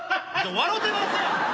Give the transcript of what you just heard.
笑うてますやん！